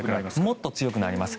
もっと強くなります。